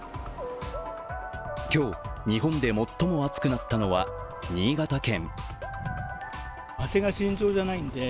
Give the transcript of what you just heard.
今日、日本で最も暑くなったのは新潟県。